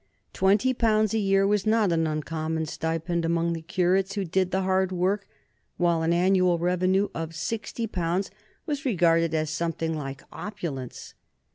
Twenty pounds a year was not an uncommon stipend among the curates who did the hard work, while an annual revenue of sixty pounds was regarded as something like opulence.